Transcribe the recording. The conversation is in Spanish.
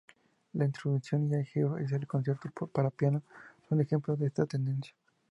La "Introducción y Allegro" y el "Concierto para piano" son ejemplos de esta tendencia.